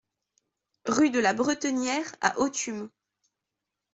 Rue de la Bretenière à Authume